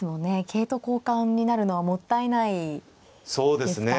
桂と交換になるのはもったいないですか。